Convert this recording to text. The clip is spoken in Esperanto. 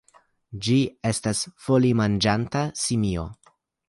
Ĝi estas folimanĝanta simio.